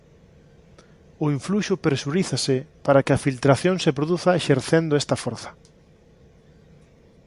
O influxo presurízase para que a filtración se produza exercendo esta forza.